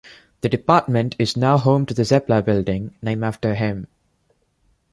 The department is now home to the Zepler Building, named after him.